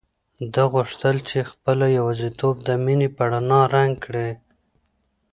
ده غوښتل چې خپله یوازیتوب د مینې په رڼا رنګ کړي.